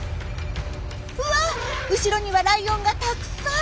うわっ後ろにはライオンがたくさん！